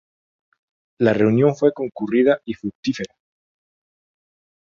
La reunión fue concurrida y fructífera.